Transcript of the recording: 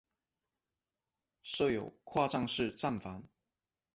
设有跨站式站房。